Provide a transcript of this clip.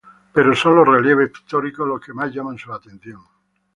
Pero son los relieves pictóricos los que más llaman su atención.